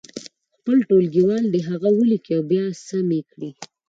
خپل ټولګیوال دې هغه ولیکي او بیا سم یې کړي.